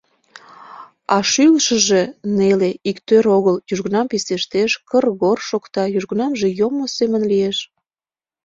А шӱлышыжӧ неле, иктӧр огыл: южгунам писештеш, кыр-горр шокта, южгунамже йоммо семын лиеш.